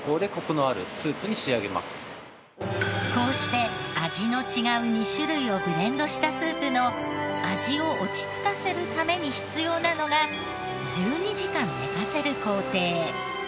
こうして味の違う２種類をブレンドしたスープの味を落ち着かせるために必要なのが１２時間寝かせる工程。